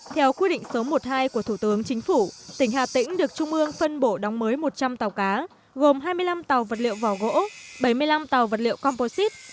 theo quy định số một mươi hai của thủ tướng chính phủ tỉnh hà tĩnh được trung ương phân bổ đóng mới một trăm linh tàu cá gồm hai mươi năm tàu vật liệu vỏ gỗ bảy mươi năm tàu vật liệu composite